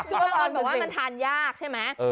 คือบางคนบอกว่ามันทานยากใช่ไหม